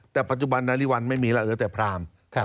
แต่ปัจจุบันนาริวัลไม่มีแล้วเหลือแต่พราม